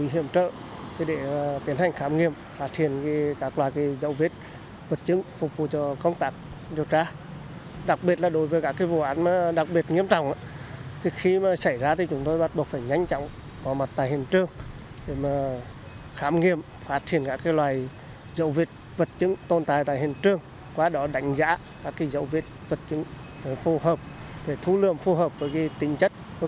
hiện tại thì ở công an thị trấn thì còn khoảng là gần sáu mươi cơ sở kinh doanh về dịch vụ cho thuê lưu trú